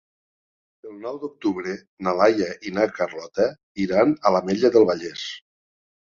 El nou d'octubre na Laia i na Carlota iran a l'Ametlla del Vallès.